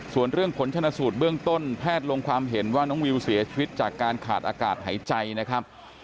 ส่วนเรื่องผลชนะสูตรเบื้องต้นแพทย์ลงความเห็นว่าน้องวิวเสียชีวิตจากการขาดอากาศหายใจนะครับ